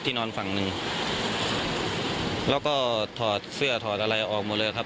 นอนฝั่งหนึ่งแล้วก็ถอดเสื้อถอดอะไรออกหมดเลยครับ